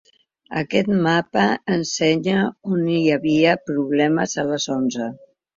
Aquest mapa ensenya on hi havia problemes a les onze.